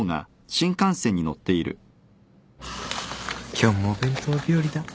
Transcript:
今日もお弁当日和だ。